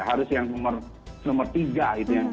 harus yang nomor tiga gitu ya